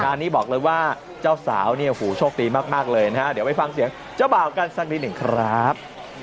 นี้บอกเลยว่าเจ้าสาวเนี่ยหูโชคดีมากเลยนะฮะเดี๋ยวไปฟังเสียงเจ้าบ่าวกันสักนิดหนึ่งครับ